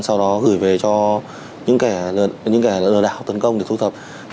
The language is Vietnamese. sau đó gửi về cho những kẻ lừa đảo tấn công để thu thập